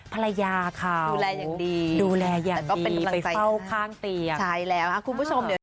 ภรรยาเขาดูแลอย่างดีไปเฝ้าข้างเตียงใช่แล้วคุณผู้ชม